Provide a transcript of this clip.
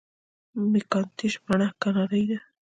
مکینټاش مڼه کاناډايي ده.